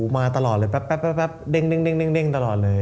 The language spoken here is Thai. มาตลอดเลยแป๊บเด้งตลอดเลย